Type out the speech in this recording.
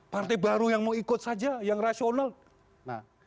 partai baru yang mau ikut saja yang rasional